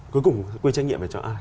cuối cùng quy trách nhiệm phải cho ai